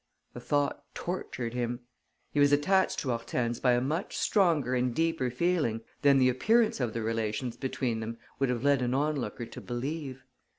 The thought tortured him. He was attached to Hortense by a much stronger and deeper feeling than the appearance of the relations between them would have led an onlooker to believe.